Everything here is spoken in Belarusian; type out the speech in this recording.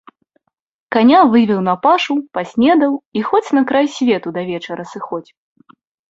Каня вывеў на пашу, паснедаў і хоць на край свету да вечара сыходзь.